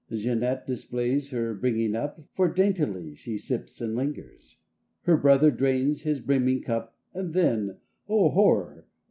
Jeanette displays her bringing up. For daintily she sips and lingers. Her brother drains his brimming cup. And then—oh, horror!